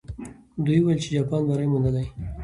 دوی وویل چې جاپان بری موندلی.